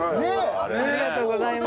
ありがとうございます。